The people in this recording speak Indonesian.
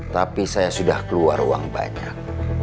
tapi saya sudah keluar uang banyak